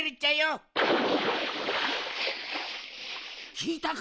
きいたか？